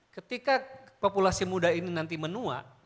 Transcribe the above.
ketika populasi muda ini nanti menua